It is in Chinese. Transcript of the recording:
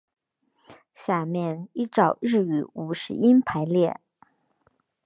下面依照日语五十音排列。